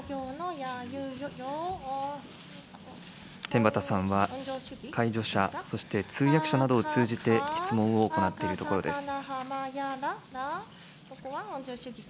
天畠さんは、介助者、そして通訳者などを通じて質問を行っているところです。